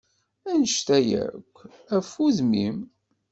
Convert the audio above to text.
Annect-a yark, af udem-im!